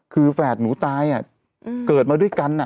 คือแฝดหนูตายเกิดมาด้วยกัน